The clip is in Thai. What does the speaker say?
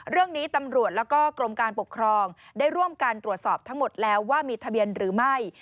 เรื่องนี้ตำรวจแล้วก็กรมการปกครองได้ร่วมการตรวจสอบทั้งหมดแล้วว่ามีทะเบียนหรือไม่